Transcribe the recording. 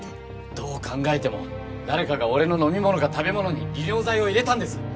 どう考えても誰かが俺の飲み物か食べ物に利尿剤を入れたんです。